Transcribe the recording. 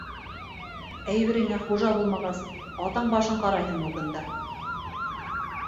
Әйбереңә хужа булмағас, атаң башын ҡарайһыңмы бында?